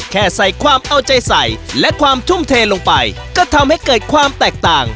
แค่ใส่ความเอาใจใส่และความทุ่มเทลงไปก็ทำให้เกิดความแตกต่าง